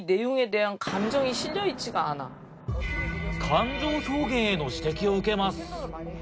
感情表現への指摘を受けます。